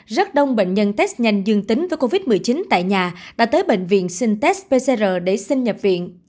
rất đông bệnh nhân test nhanh dương tính với covid một mươi chín tại nhà đã tới bệnh viện xin test pcr để sinh nhập viện